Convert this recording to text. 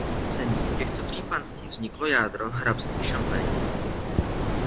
Sjednocením těchto tří panství vzniklo jádro hrabství Champagne.